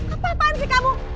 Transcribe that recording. apaan sih kamu